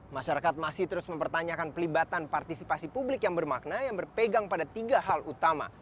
masyarakat masih terus mempertanyakan pelibatan partisipasi publik yang bermakna yang berpegang pada tiga hal utama